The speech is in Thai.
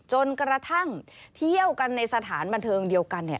จนกระทั่งเที่ยวกันในสถานบันเทิงเดียวกัน